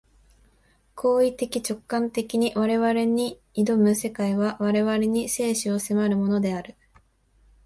行為的直観的に我々に臨む世界は、我々に生死を迫るものである。